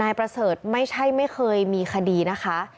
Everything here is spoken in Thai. ประเสริฐไม่ใช่ไม่เคยมีคดีนะคะ